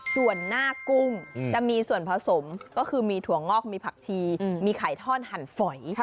ส่วนหน้ากุ้งจะมีส่วนผสมก็คือมีถั่วงอกมีผักชีมีไข่ทอดหั่นฝอย